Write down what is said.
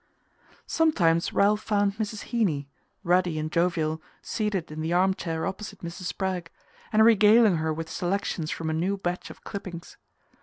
Sometimes Ralph found Mrs. Heeny, ruddy and jovial, seated in the arm chair opposite Mrs. Spragg, and regaling her with selections from a new batch of clippings.